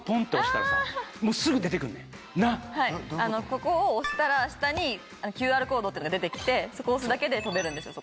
ここを押したら下に「ＱＲコード」っていうのが出て来てそこを押すだけで飛べるんですよ